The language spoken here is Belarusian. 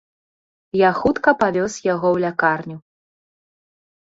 Я хутка павёз яго ў лякарню.